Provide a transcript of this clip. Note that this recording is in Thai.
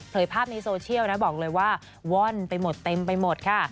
ภาพในโซเชียลนะบอกเลยว่าว่อนไปหมดเต็มไปหมดค่ะ